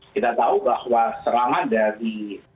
kita tahu bahwa serangan dari